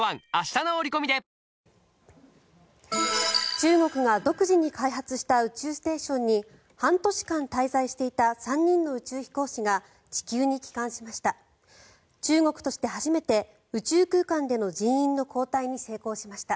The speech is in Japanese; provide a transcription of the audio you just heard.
中国が独自に開発した宇宙ステーションに半年間滞在していた３人の宇宙飛行士が地球に帰還しました。